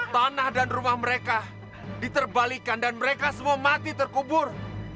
tanah dan rumah mereka diterbalikan dan mereka semua mati terkubur